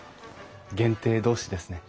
限定同士ですね。